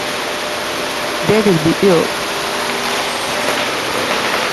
They will be here.